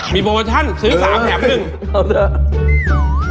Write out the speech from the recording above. มีโปรเวอร์ชั่นซื้อ๓แถบหนึ่ง